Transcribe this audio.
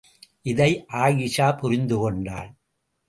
இதை ஆயிஷா புரிந்துகொண்டாள்.